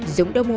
dũng đã mua